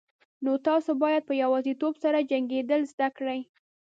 نو تاسو باید په یوازیتوب سره جنگیدل زده کړئ.